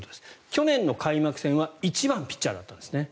去年の開幕戦は１番ピッチャーだったんですね